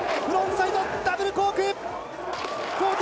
フロントサイドダブルコーク１４４０！